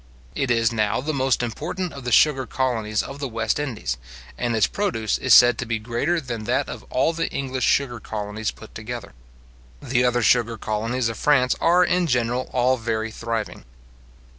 It is now the most important of the sugar colonies of the West Indies, and its produce is said to be greater than that of all the English sugar colonies put together. The other sugar colonies of France are in general all very thriving.